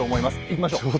いきましょう！